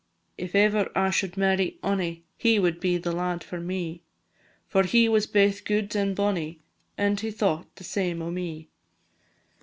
If ever I should marry ony, He will be the lad for me; For he was baith gude and bonny, And he thought the same o' me.